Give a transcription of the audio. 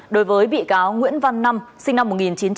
đối với bị cáo nguyễn văn năm sinh năm một nghìn chín trăm tám mươi